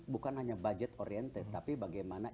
bukan hanya budget oriented tapi bagaimana